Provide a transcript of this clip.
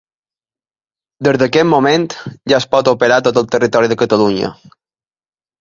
Des d'aquest moment, ja es pot operar a tot el territori de Catalunya.